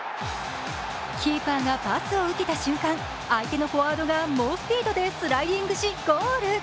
キーパーがパスを受けた瞬間、相手のフォワードが猛スピードでスライディングし、ゴール。